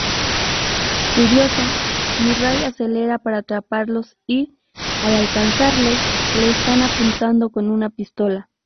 Furioso, Murray acelera para atraparlos y, al alcanzarlos, le están apuntando con una pistola.